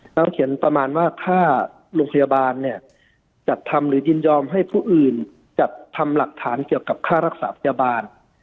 แล้วเขียนประมาณว่าค่าโรงพยาบาลเนี่ยจัดทำหรือยินยอมให้ผู้อื่นจัดทำหลักฐานเกี่ยวกับค่ารักษาพยาบาล